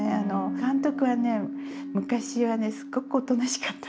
監督はね昔はねすごくおとなしかったんです。